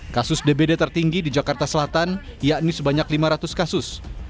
kasus dbd tertinggi di jakarta selatan yakni sebanyak lima ratus kasus